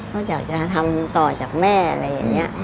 ก็อยากจะทำต่อจากแม่อะไรอย่างนี้